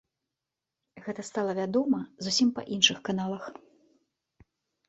Гэта стала вядома зусім па іншых каналах.